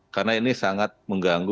karena ini sangat mengganggu